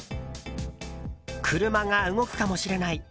車が動くかもしれない。